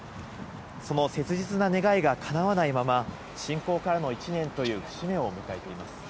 その切実な願いがかなわないまま、侵攻からの１年という節目を迎えています。